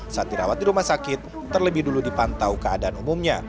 saat dirawat di rumah sakit terlebih dulu dipantau keadaan umumnya